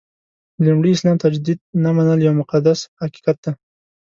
د لومړي اسلام تجدید نه منل یو مقدس حقیقت دی.